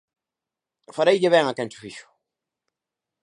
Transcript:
Fareille ben a quen cho fixo.